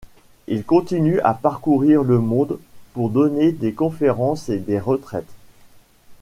Il continue à parcourir le monde pour donner des conférences et des retraites.